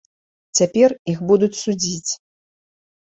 Цяпер іх будуць судзіць.